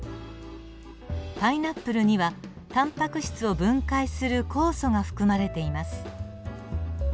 パイナップルにはタンパク質を分解する酵素が含まれています。